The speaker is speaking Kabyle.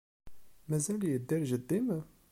Mazal yedder jeddi-m?